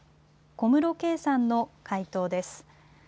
小室圭さんの回答です。